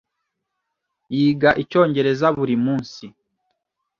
Yiga Icyongereza buri munsi.